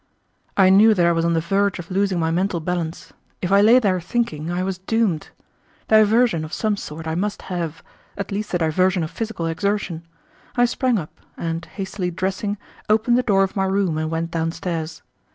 I knew that I was on the verge of losing my mental balance. If I lay there thinking, I was doomed. Diversion of some sort I must have, at least the diversion of physical exertion. I sprang up, and, hastily dressing, opened the door of my room and went down stairs.